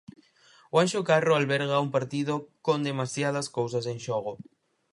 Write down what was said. O Anxo Carro alberga un partido con demasiadas cousas en xogo.